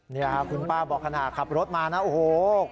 นี่คือพ่อบอกทนาขับรถมานะเฮีย